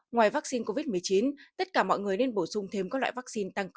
ngoài vaccine covid một mươi chín tất cả mọi người nên bổ sung thêm các loại vaccine tăng cường